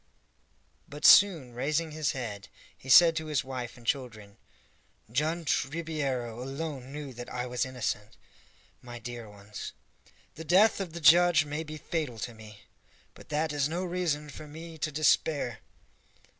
But soon raising his head, he said to his wife and children, "Judge Ribeiro alone knew that I was innocent, my dear ones. The death of the judge may be fatal to me, but that is no reason for me to despair."